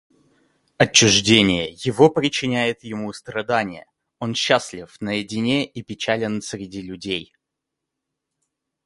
Отчуждение его причиняет ему страдания, он счастлив наедине и печален среди людей.